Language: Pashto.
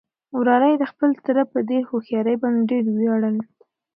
وراره يې د خپل تره په دې هوښيارۍ باندې ډېر ووياړل.